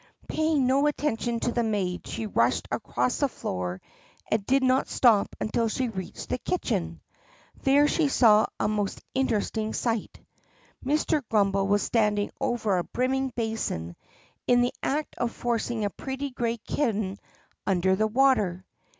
Paying no attention to the maid, she rushed across the floor and did not stop until she reached the kitchen. There she saw a most interesting sight. Mr. Grummbel was standing over a brimming basin, in the act of forcing a pretty gray kitten under the water.